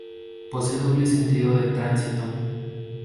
Posee doble sentido de tránsito.